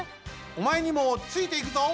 おまえにもついていくぞ！